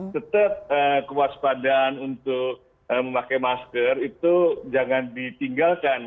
tetap kewaspadaan untuk memakai masker itu jangan ditinggalkan